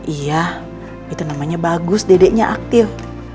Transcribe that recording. iya itu namanya bagus dedeknya aktif